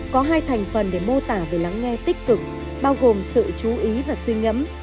có hai thành phần để mô tả về lắng nghe tích cực bao gồm sự chú ý và suy ngẫm